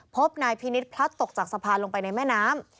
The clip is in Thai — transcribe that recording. พบนายพินิษฐ์พลัดตกจากสะพานลงไปในแม่น้ำ